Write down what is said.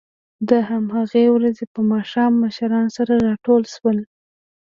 د همهغې ورځې په ماښام مشران سره ټول شول